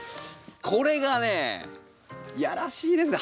これがねやらしいですね。